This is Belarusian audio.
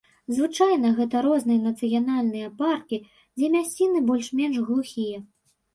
Звычайна гэта розныя нацыянальныя паркі, дзе мясціны больш-менш глухія.